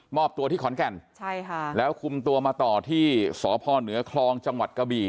อบตัวที่ขอนแก่นใช่ค่ะแล้วคุมตัวมาต่อที่สพเหนือคลองจังหวัดกะบี่